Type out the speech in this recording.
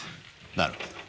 なるほど。